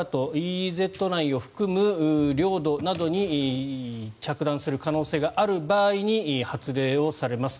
ＥＥＺ内を含む領土などに着弾する可能性がある場合に発令をされます。